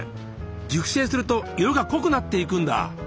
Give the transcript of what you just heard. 熟成すると色が濃くなっていくんだ？